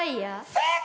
「正解！」。